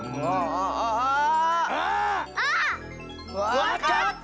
わかった！